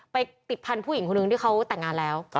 ไปติดพันธุ์ผู้หญิงคนหนึ่งที่เขาแต่งงานแล้ว